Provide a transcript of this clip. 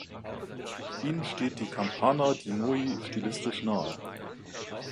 Ihnen stehen die Campana-Dinoi stilistisch nahe.